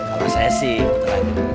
kalau saya sih gitu aja